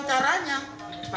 kita harus tahu cara